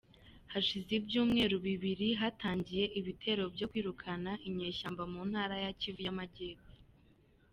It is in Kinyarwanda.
Hashize ibyumweru bibiri hatangiye ibitero byo kwirukana inyeshyamba mu Ntara ya Kivu y’Amajyepfo.